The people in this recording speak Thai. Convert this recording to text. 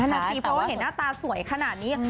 นั่นน่ะสิเพราะว่าเห็นหน้าตาสวยขนาดนี้